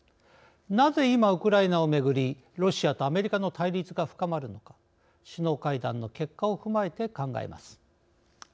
なぜ今、ウクライナをめぐりロシアとアメリカの対立が深まるのか首脳会談の結果を踏まえて考えます。